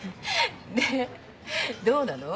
でどうなの？